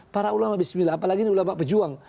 para ulama bismillah apalagi ini ulama pejuang